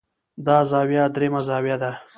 دا زاويه درېيمه زاويه ده